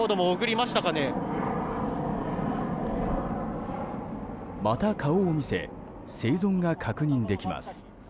また顔を見せ生存が確認できます。